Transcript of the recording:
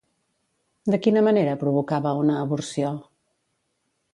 De quina manera provocava una aborció?